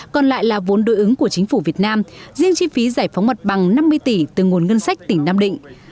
còn lại là vốn đối ứng của chính phủ việt nam riêng chi phí giải phóng mặt bằng năm mươi tỷ từ nguồn ngân sách tỉnh nam định